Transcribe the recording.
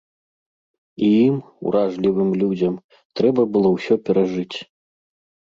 І ім, уражлівым людзям, трэба было ўсё перажыць.